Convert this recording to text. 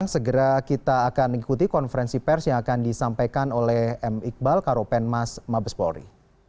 segera kita akan ikuti konferensi pers yang akan disampaikan oleh m iqbal karopen mas mabes polri